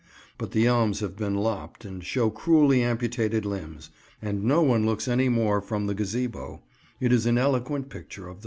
But the elms have been lopped and show cruelly amputated limbs, and no one looks any more from the gazebo: it is an eloquent picture of the Past.